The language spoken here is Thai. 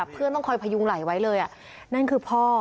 เพื่อนต้องคอยพยุงไหลไว้เลยนั่นคือพ่อ